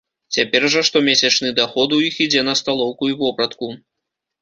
Цяпер жа штомесячны даход у іх ідзе на сталоўку і вопратку.